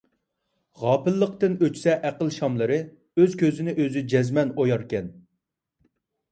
غاپىللىقتىن ئۆچسە ئەقىل شاملىرى، ئۆز كۆزىنى ئۆزى جەزمەن ئوياركەن ...